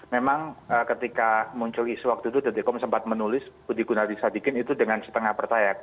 memang ketika muncul isu waktu itu detikom sempat menulis budi gunadisadikin itu dengan setengah percaya